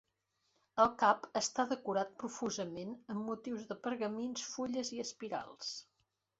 El cap està decorat profusament amb motius de pergamins, fulles i espirals.